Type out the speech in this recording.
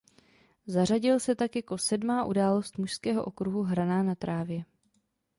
Zařadil se tak jako sedmá událost mužského okruhu hraná na trávě.